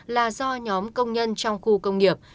là do nhóm công nhân trong khu công nghiệp